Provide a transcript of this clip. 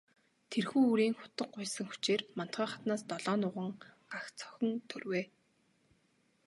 Тэрхүү үрийн хутаг гуйсан хүчээр Мандухай хатнаас долоон нуган, гагц охин төрвэй.